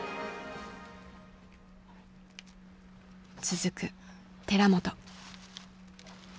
続く寺本。